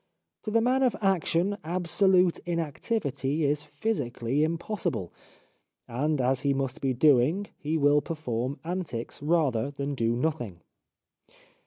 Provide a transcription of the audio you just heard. To the man of action ab solute inactivity is physically impossible, and 294 The Life of Oscar Wilde as he must be doing he will perform antics rather than do nothing.